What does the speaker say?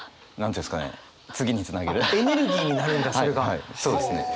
はいそうですね。